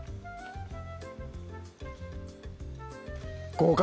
合格！